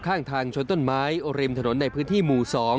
ข้างทางชนต้นไม้ริมถนนในพื้นที่หมู่๒